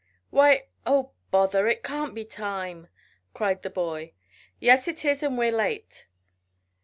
"Why oh bother! It can't be time," cried the boy. "Yes, it is, and we're late."